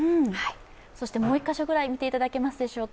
そしてもう１か所ぐらい見ていただけますでしょうか。